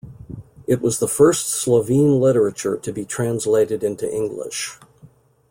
It was the first Slovene literature to be translated into English.